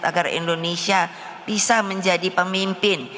agar indonesia bisa menjadi pemimpin